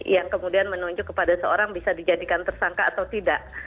yang kemudian menunjuk kepada seorang bisa dijadikan tersangka atau tidak